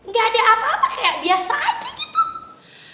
gak ada apa apa kayak biasa aja gitu